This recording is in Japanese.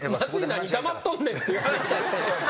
何黙っとんねんっていう話。